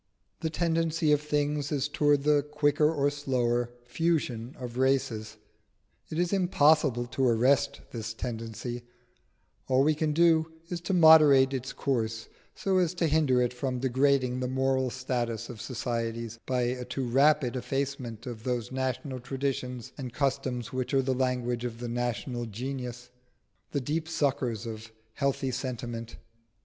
The tendency of things is towards the quicker or slower fusion of races. It is impossible to arrest this tendency: all we can do is to moderate its course so as to hinder it from degrading the moral status of societies by a too rapid effacement of those national traditions and customs which are the language of the national genius the deep suckers of healthy sentiment.